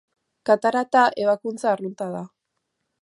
Katarata ebakuntza arrunta da.